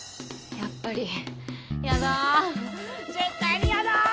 やっぱりやだ絶対にやだ！